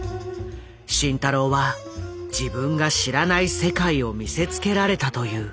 慎太郎は自分が知らない世界を見せつけられたという。